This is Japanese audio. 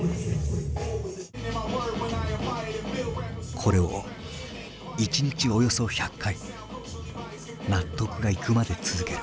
これを１日およそ１００回納得がいくまで続ける。